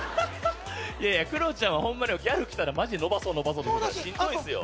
いやいやクロちゃんはホンマにギャル来たらマジで延ばそう延ばそうとするからしんどいんですよ。